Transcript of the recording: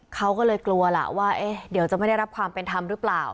เขาก็เลยกลัวล่ะว่าเดี๋ยวจะไม่ได้รับความเป็นธรรมหรือเปล่า